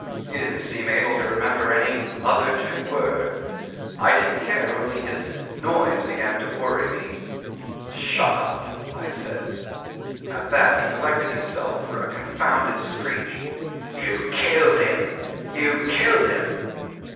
He didn't seem able to remember any other two words. I didn't care, only his noise began to worry me. 'Shut up,' I said. At that he collected himself for a confounded screech. 'You killed him! You killed him!